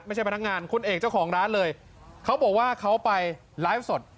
พนักงานคุณเอกเจ้าของร้านเลยเขาบอกว่าเขาไปไลฟ์สด